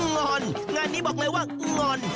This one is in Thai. งอนงานนี้บอกเลยว่างอน